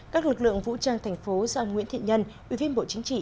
các lực lượng vũ trang thành phố do ông nguyễn thiện nhân ủy viên bộ chính trị